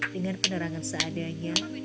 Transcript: dengan penerangan seadanya